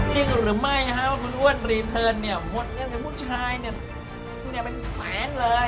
จริงหรือไม่ฮะมันอ้วนรีเทิร์นหมดเงินแค่ผู้ชายพวกนี้เป็นแฟนเลย